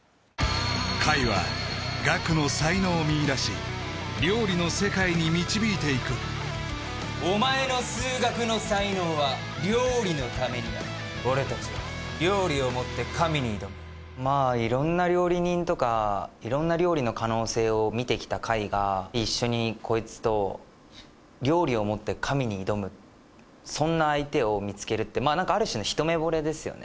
海は岳の才能を見いだし料理の世界に導いていくお前の数学の才能は料理のためにある俺たちは料理をもって神に挑む色んな料理人とか色んな料理の可能性を見てきた海が一緒にこいつと料理をもって神に挑むそんな相手を見つけるってある種の一目ぼれですよね